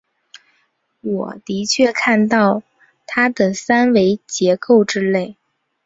我的确看到它的三维结构之类。